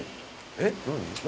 えっ何？